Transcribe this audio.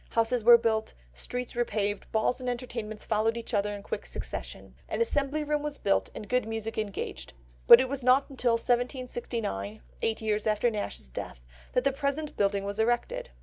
Houses were built, streets repaved, balls and entertainments followed each other in quick succession. An Assembly Room was built, and good music engaged; but it was not until 1769, eight years after Nash's death, that the present building was erected.